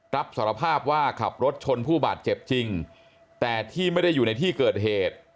รับสารภาพว่าขับรถชนผู้บาดเจ็บจริงแต่ที่ไม่ได้อยู่ในที่เกิดเหตุ